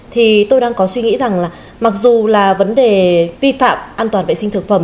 thì tôi đang có suy nghĩ rằng là mặc dù là vấn đề vi phạm an toàn vệ sinh thực phẩm